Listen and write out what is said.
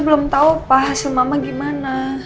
belum tahu pak hasil mama gimana